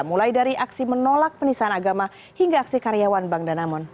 mulai dari aksi menolak penistaan agama hingga aksi karyawan bank danamon